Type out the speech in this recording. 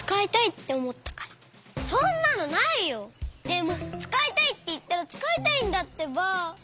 でもつかいたいっていったらつかいたいんだってば！